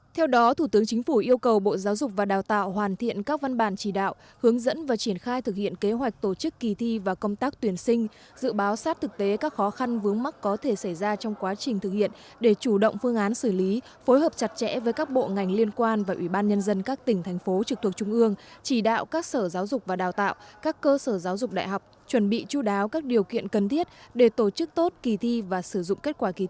theo đó thủ tướng chính phủ yêu cầu bộ giáo dục và đào tạo hoàn thiện các văn bản chỉ đạo hướng dẫn và triển khai thực hiện kế hoạch tổ chức kỳ thi và công tác tuyển sinh dự báo sát thực tế các khó khăn vướng mắc có thể xảy ra trong quá trình thực hiện để chủ động phương án xử lý phối hợp chặt chẽ với các bộ ngành liên quan và ủy ban nhân dân các tỉnh thành phố trực thuộc trung ương chỉ đạo các sở giáo dục và đào tạo các cơ sở giáo dục đại học chuẩn bị chú đáo các điều kiện cần thiết để tổ chức tốt kỳ thi và sử dụng k